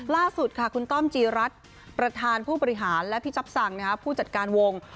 ล่าสุดค่ะคุณต้อมจีรัฐประธานผู้บริหารและพี่จ๊อปสั่งผู้จัดการวง